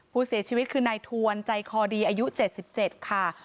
ผู้เสียชีวิตคือนายทวนใจคอดีอายุ๗๗ค่ะ